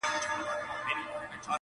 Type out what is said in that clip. د سر په غم کي ټوله دنیا ده،